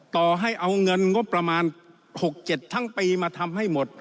ต่อให้เอาเงินงบประมาณ๖๗ทั้งปีมาทำให้หมด